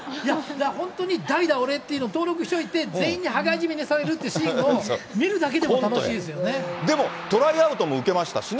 本当に代打、俺というの登録しておいて、全員にはがいじめにされるっていうシーンを見るだけでも楽しいででも、トライアウトも受けましたしね。